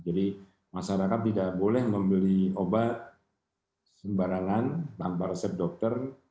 jadi masyarakat tidak boleh membeli obat sembarangan tanpa resep dokter